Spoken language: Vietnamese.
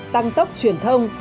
tăng tốc truyền thông